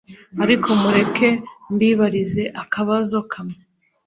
ariko mureke mbibarize akabazo kamwe